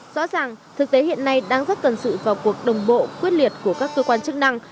rõ ràng thực tế hiện nay đang rất cần sự vào cuộc đồng bộ quyết liệt của các cơ quan chức năng